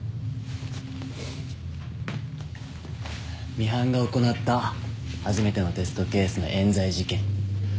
ミハンが行った初めてのテストケースの冤罪事件。